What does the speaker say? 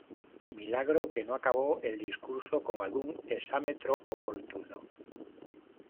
Milagro que no acabó el discurso con algún exámetro oportuno.